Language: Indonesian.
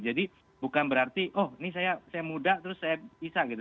jadi bukan berarti oh ini saya muda terus saya bisa gitu